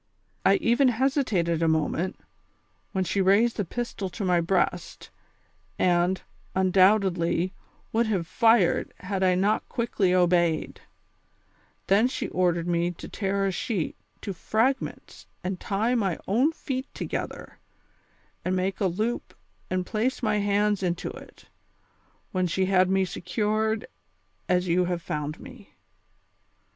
I even hesitated a moment, wlien she raised the pistol to my breast, and, luidoubtedly, would have fired had I not quickly obeyed ; then she ordered me to tear a sheet to fragments and tie my own feet together, and make a loop and ]ilace my hands ■into it, when she had me secured as you have found me."